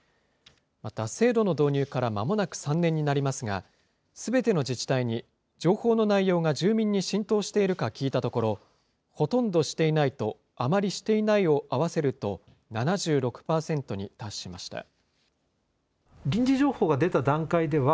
また制度の導入からまもなく３年になりますが、すべての自治体に情報の内容が住民に浸透しているか聞いたところ、ほとんどしていないと、あまりしていないを合わせると、７６％に達しました。